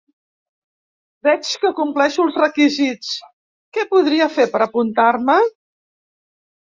Veig que compleixo el s requisits, què podria fer per apuntar-me?